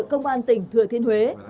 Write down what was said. công an tỉnh thừa thiên huế